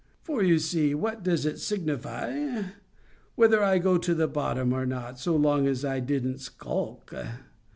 For, you see, what does it signify whether I go to the bottom or not, so long as I didn't skulk?